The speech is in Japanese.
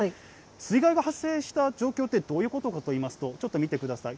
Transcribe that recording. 水害が発生した状況って、どういうことかといいますと、ちょっと見てください。